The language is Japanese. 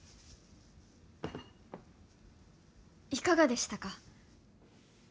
いかがでしたか？